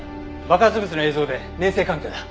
爆発物の映像で粘性鑑定だ。